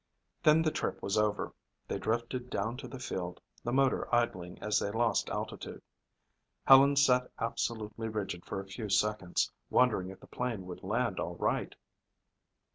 Then the trip was over. They drifted down to the field, the motor idling as they lost altitude. Helen sat absolutely rigid for a few seconds, wondering if the plane would land all right.